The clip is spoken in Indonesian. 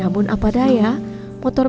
namun dia terasa benar nyata bukan timnya